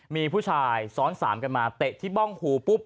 มีผู้ชายซ้อนสามกันมาเตะที่บ้องหูปุ๊บ